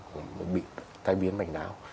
của người bị tai biến mạch não